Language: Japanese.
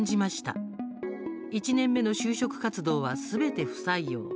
１年目の就職活動はすべて不採用。